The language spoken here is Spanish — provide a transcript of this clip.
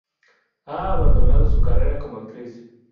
Ha abandonado su carrera como actriz.